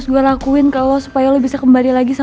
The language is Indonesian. gue gak punya salah apa apa ke tante nawang